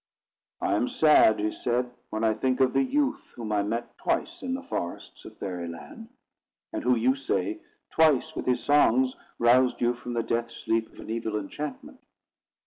"I am sad," he said, "when I think of the youth whom I met twice in the forests of Fairy Land; and who, you say, twice, with his songs, roused you from the death sleep of an evil enchantment.